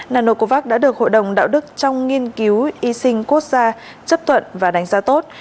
nanocovax đã được hội đồng đạo đức trong nghiên cứu y sinh quốc gia chấp thuận và đánh giá tốt